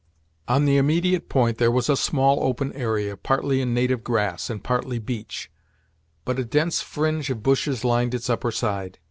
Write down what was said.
On the immediate point there was a small open area, partly in native grass, and partly beach, but a dense fringe of bushes lined its upper side.